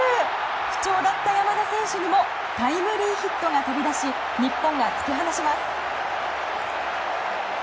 不調だった山田選手にもタイムリーヒットが飛び出し日本が突き放します。